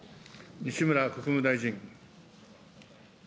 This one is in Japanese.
西村国務大臣。